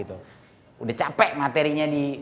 udah capek materinya di